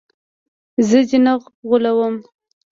زه دې نه غولوم.